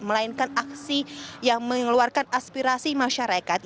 melainkan aksi yang mengeluarkan aspirasi masyarakat